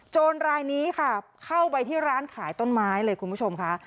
รายนี้ค่ะเข้าไปที่ร้านขายต้นไม้เลยคุณผู้ชมค่ะ